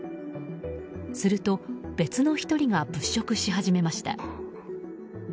すると別の１人が物色し始めました。